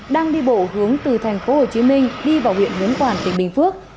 đang đi bộ hướng từ thành phố hồ chí minh đi vào huyện hiến quản tỉnh bình phước